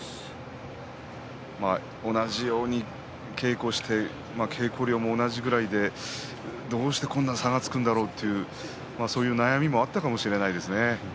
同じように稽古をして稽古量も同じぐらいでどうしてこんなに差がつくんだろうとそういう悩みもあったかもしれないですね。